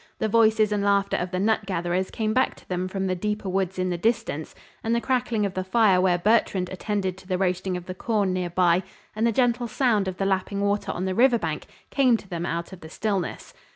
The voices and laughter of the nut gatherers came back to them from the deeper woods in the distance, and the crackling of the fire where Bertrand attended to the roasting of the corn near by, and the gentle sound of the lapping water on the river bank came to them out of the stillness.